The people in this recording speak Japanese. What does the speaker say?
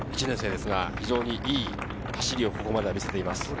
１年生ですが非常にいい走りをここまで見せています。